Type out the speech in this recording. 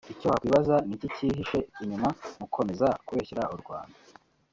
Icyo wakwibaza niki kihishe inyuma mukomeza kubeshyera u Rwanda